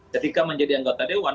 ketika menjadi anggota dewan